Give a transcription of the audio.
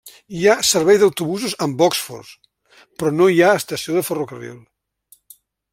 Hi ha servei d'autobusos amb Oxford, però no hi ha estació de ferrocarril.